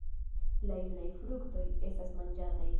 La junaj fruktoj estas manĝataj.